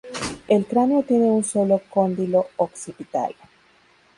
El cráneo tiene un sólo cóndilo occipital.